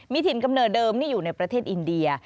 มีถิ่นกำเนิดเดิมนี่อยู่ในประเทศอินเดีย